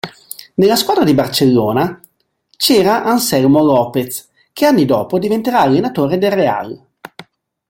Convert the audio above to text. Nella squadra di Barcellona c'era Anselmo López, che anni dopo diventerà allenatore del Real.